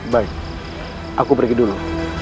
baik aku pergi dulu